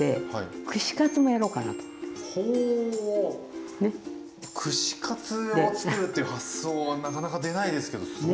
ほ串カツをつくるっていう発想はなかなか出ないですけどすごいですね。